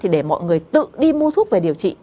để mọi người tự đi mua thuốc về điều trị